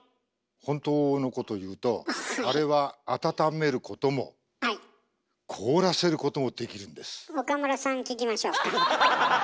本当のこと言うとあれは岡村さん聞きましょうか。